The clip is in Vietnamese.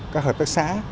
các hợp tác xã